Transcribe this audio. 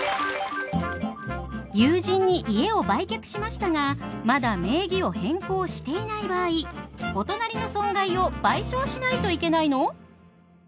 友人に家を売却しましたがまだ名義を変更していない場合お隣の損害を賠償しないといけないの？